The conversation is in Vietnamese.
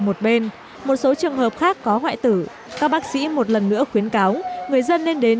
một bên một số trường hợp khác có hoại tử các bác sĩ một lần nữa khuyến cáo người dân nên đến